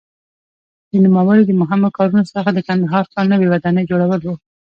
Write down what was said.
د نوموړي د مهمو کارونو څخه د کندهار ښار نوې ودانۍ جوړول وو.